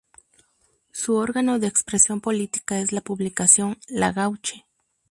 Su órgano de expresión política es la publicación "La Gauche".